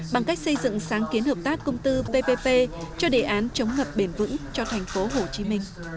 bằng cách xây dựng sáng kiến hợp tác công tư ppp cho đề án chống ngập bền vững cho tp hcm